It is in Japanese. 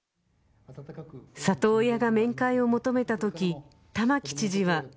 里親が面会を求めたとき玉城知事は